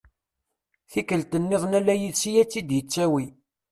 Tikkelt-nniḍen ala yid-s i ad tt-id-yettawi.